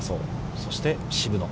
そして、渋野。